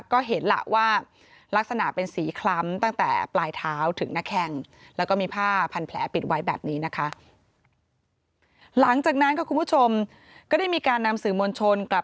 ก็เห็นล่ะว่ารักษณะเป็นสีคล้ำตั้งแต่ปลายเท้าถึงหน้าแข้ง